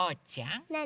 なに？